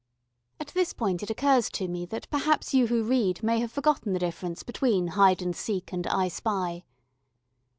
At this point it occurs to me that perhaps you who read may have forgotten the difference between "Hide and seek" and "I spy."